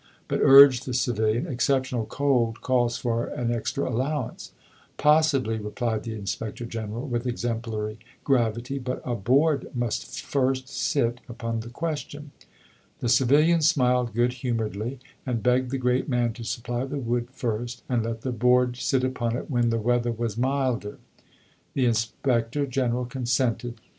But, urged the civilian, exceptional cold calls for an extra allowance. Possibly, replied the Inspector General with exemplary gravity, but "a Board must first sit" upon the question. The civilian smiled good humouredly, and begged the great man to supply the wood first, and let the Board sit upon it when the weather was milder. The Inspector General consented.